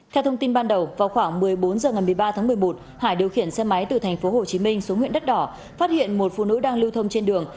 theo thông tin ban đầu vào khoảng một mươi bốn h ngày một mươi ba tháng một mươi một hải điều khiển xe máy từ tp hcm xuống huyện đất đỏ phát hiện một phụ nữ đang lưu thông trên đường